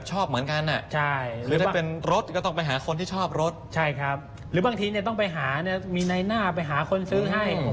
หรือบางทีเนี่ยต้องไปหามีแน่น่าไปหาคนซื้อให้